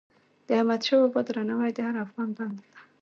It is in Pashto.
د احمدشاه بابا درناوی د هر افغان دنده ده.